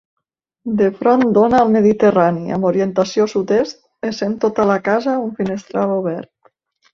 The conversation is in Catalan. De front dóna al Mediterrani, amb orientació sud-est, essent tota la casa un finestral obert.